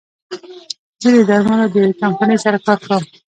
زه د درملو د يوې کمپنۍ سره کار کوم